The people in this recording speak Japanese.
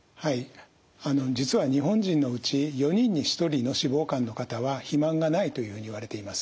実は日本人のうち４人に１人の脂肪肝の方は肥満がないというふうにいわれています。